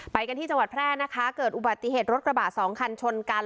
ไปกันที่จังหวัดแพร่นะคะเกิดอุบัติเหตุรถกระบะสองคันชนกัน